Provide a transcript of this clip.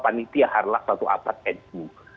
anitia harlak satu abad nu